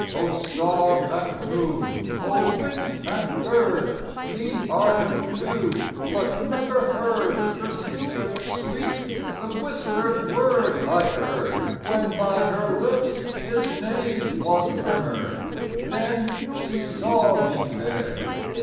O star and moon! O wind and bird! Ye harkened, too, but never heard The secret sweet, the whispered word I heard, when by her lips his name Was murmured. Then she saw me there!